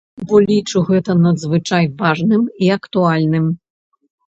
Бо лічу гэта надзвычай важным і актуальным.